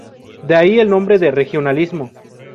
De ahí el nombre de regionalismo.